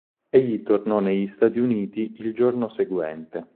Egli tornò negli Stati Uniti il giorno seguente.